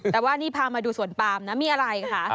แต่ว่านี่พามาดูสวนปามนะมีอะไรคะ